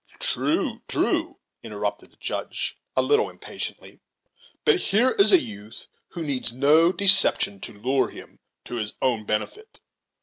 "True, true," interrupted the Judge, a little impatiently; "but here is a youth who needs no deception to lure him to his own benefit.